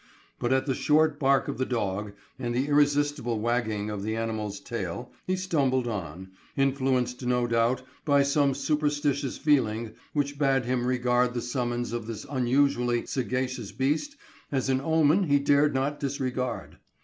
But at the short bark of the dog and the irresistible wagging of the animal's tail, he stumbled on, influenced no doubt by some superstitious feeling which bade him regard the summons of this unusually sagacious beast as an omen he dared not disregard.